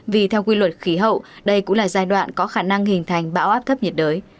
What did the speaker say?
vì theo quy luật khí hậu đây cũng là giai đoạn có khả năng hình thành bão áp thấp nhiệt đới